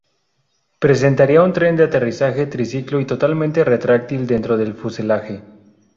Presentaría un tren de aterrizaje triciclo y totalmente retráctil dentro del fuselaje.